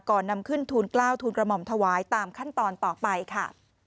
นำขึ้นทูลกล้าวทูลกระหม่อมถวายตามขั้นตอนต่อไปค่ะ